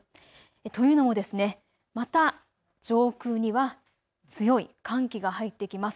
というのもまた上空には強い寒気が入ってきます。